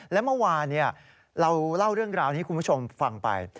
และเมื่อวานเราเล่าเรื่องราวนี้คุณผู้ชมฟังไป